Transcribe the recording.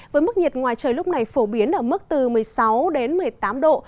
với mức nhiệt ngoài trời lúc này phổ biến ở mức từ một mươi sáu đến một mươi tám độ